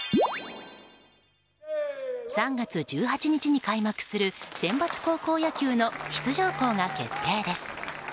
３月１８日に開幕するセンバツ高校野球の出場校が決定です。